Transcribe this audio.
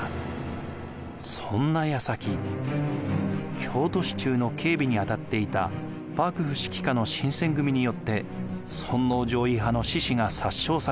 そんな矢先京都市中の警備にあたっていた幕府指揮下の新撰組によって尊王攘夷派の志士が殺傷されます。